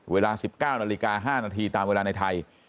เวลา๑๙นาฬิกา๕นาทีตามเวลาในไทย